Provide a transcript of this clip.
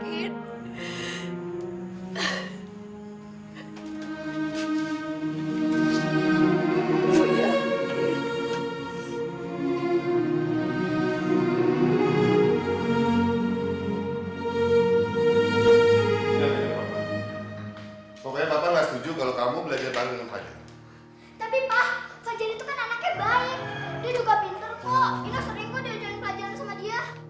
ini sering gue diajari pelajaran sama dia